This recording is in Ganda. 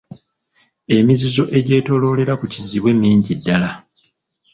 Emizizo egyetooloolera ku Kizibwe mingi ddala.